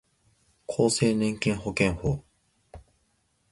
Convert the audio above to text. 厚生年金保険法